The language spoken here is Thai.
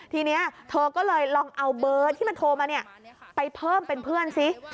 ทีนี้เธอก็เลยลองเอาเบอร์ที่มันโทรมาไปเพิ่มเป็นเพื่อนซิ